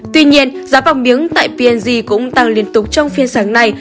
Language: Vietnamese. tuy nhiên giá vàng miếng tại p g cũng tăng liên tục trong phiên sáng nay